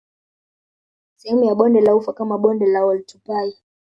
Sehemu ya Bonde la Ufa kama Bonde la Oltupai